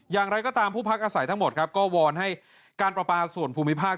อย่างไรก็ตามผู้พักอาศัยทั้งหมดครับก็วอนให้การประปาส่วนภูมิภาค